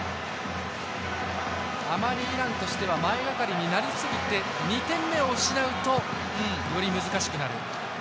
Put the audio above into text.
あまりイランとしては前がかりになりすぎて２点目を失うとより難しくなる。